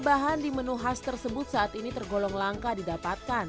bahan di menu khas tersebut saat ini tergolong langka didapatkan